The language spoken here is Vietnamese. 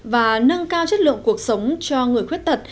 và nâng cao chất lượng cuộc sống cho người khuyết tật